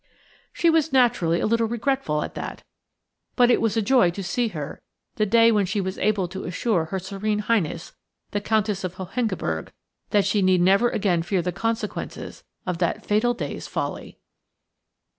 She was naturally a little regretful at that. But it was a joy to see her the day when she was able to assure Her Serene Highness the Countess of Hohengebirg that she need never again fear the consequences of that fatal day's folly.